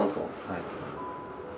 はい。